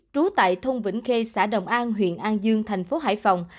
trú tại thôn vĩnh khê xã đồng an huyện an dương thành phố hải phòng